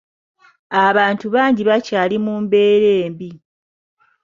Abantu bangi bakyali mu mbeera embi.